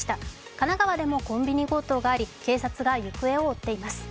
神奈川でもコンビニ強盗があり警察が行方を追っています。